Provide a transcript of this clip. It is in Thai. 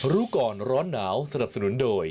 รู้ก่อนร้อนหนาวสนับสนุนโดย